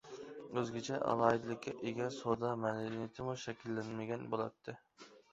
ئۆزگىچە ئالاھىدىلىككە ئىگە سودا مەدەنىيىتىمۇ شەكىللەنمىگەن بولاتتى.